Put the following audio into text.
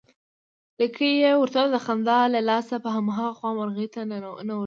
لکۍ يې ورته ويله، د خندا له لاسه په هماغه خوا مرغۍ نه ورتلې